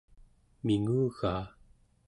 mingugaa